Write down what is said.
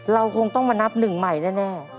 เราคงต้องมานับหนึ่งใหม่แน่